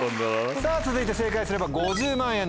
さぁ続いて正解すれば５０万円です。